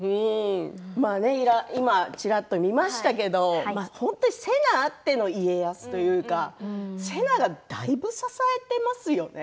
今ちらっと見ましたけれども、本当に瀬名あっての家康というか瀬名がだいぶ支えていますよね。